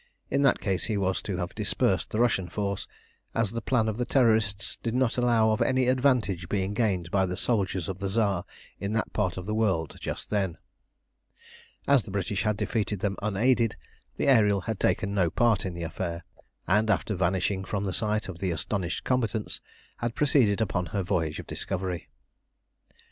In that case he was to have dispersed the Russian force, as the plan of the Terrorists did not allow of any advantage being gained by the soldiers of the Tsar in that part of the world just then. As the British had defeated them unaided, the Ariel had taken no part in the affair, and, after vanishing from the sight of the astonished combatants, had proceeded upon her voyage of discovery.